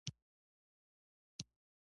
خو منظرې یې ډیرې ښکلې دي.